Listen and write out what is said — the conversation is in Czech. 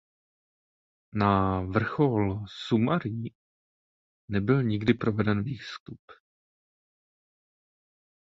Na vrchol Summa Ri nebyl nikdy proveden výstup.